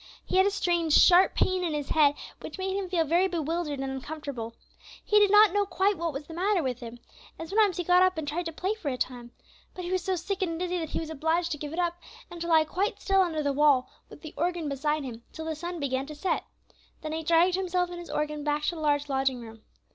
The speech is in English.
He had a strange, sharp pain in his head, which made him feel very bewildered and uncomfortable. He did not know what was the matter with him, and sometimes he got up and tried to play for a little time, but he was so sick and dizzy that he was obliged to give it up, and to lie quite still under the wall, with the organ beside him, till the sun began to set. Then he dragged himself and his organ back to the large lodging room.